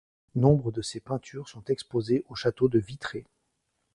Nombre de ces peintures sont exposées au château de Vitré.